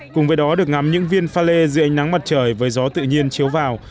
cùng với đó được ngắm những viên pha lê dưới ánh nắng mặt trời với gió tự nhiên chiếu vào